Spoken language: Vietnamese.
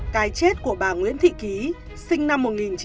cái chết của bà nguyễn thị ký sinh năm một nghìn chín trăm bốn mươi sáu